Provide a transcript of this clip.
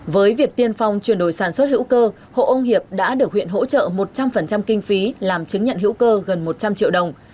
với việc tiên phong chuyển đổi sản xuất hữu cơ hộ ông hiệp đã được huyện hỗ trợ một trăm linh kinh phí làm chứng nhận hữu cơ gần một trăm linh triệu đồng